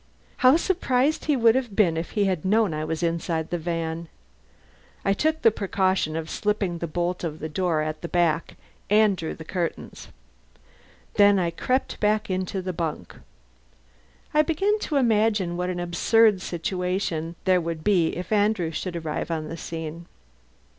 How surprised he would have been if he had known I was inside the van! I took the precaution of slipping the bolt of the door at the back, and drew the curtains. Then I crept back into the bunk. I began to imagine what an absurd situation there would be if Andrew should arrive on the scene.